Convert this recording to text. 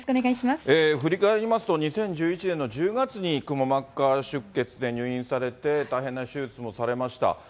振り返りますと、２０１１年の１０月にくも膜下出血で入院されて、大変な手術もされました。